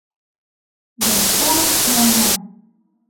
Дорфа ҡылана.